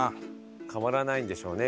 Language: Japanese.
変わらないんでしょうね